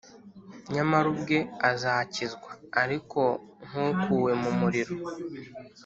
nyamara ubwe azakizwa, ariko nk'ukuwe mu muriro